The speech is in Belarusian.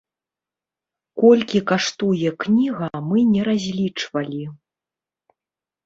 Колькі каштуе кніга, мы не разлічвалі.